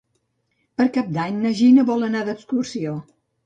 Per Cap d'Any na Gina vol anar d'excursió.